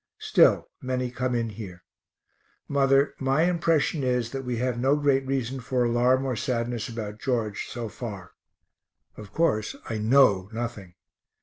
Still, many come in here. Mother, my impression is that we have no great reason for alarm or sadness about George so far. Of course I know nothing.